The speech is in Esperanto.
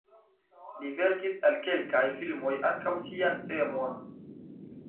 Li verkis al kelkaj filmoj ankaŭ sian temon.